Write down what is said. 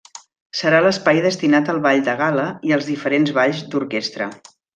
Serà l'espai destinat al ball de gala i als diferents balls d'orquestra.